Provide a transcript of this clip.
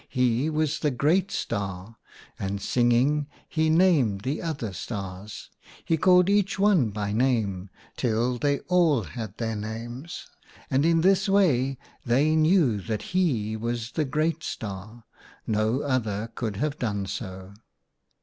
He was the Great Star, and, singing, he named the other stars. He called each one by name, till they all had their names, and in this way they knew that he was the Great Star. No other could have done so.